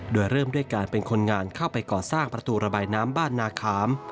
โดยเริ่มด้วยการเป็นคนงานเข้าไปก่อสร้างประตูระบายน้ำบ้านนาขาม